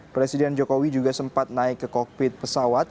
presiden jokowi juga sempat naik ke kokpit pesawat